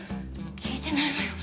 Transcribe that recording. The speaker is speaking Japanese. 聞いてないわよ。